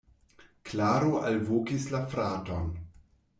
Klaro alvokis la fraton.